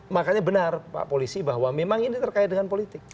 makanya benar pak polisi bahwa memang ini terkait dengan politik